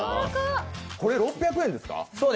これ６００円ですか？